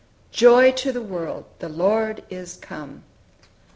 "Joy to the world! the Lord is come!"